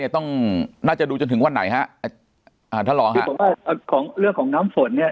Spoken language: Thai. ต้องน่าจะดูจนถึงวันไหนฮะอ่าทะเลาะฮะของเรื่องของน้ำฝนเนี้ย